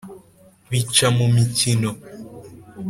Bica mu mikino .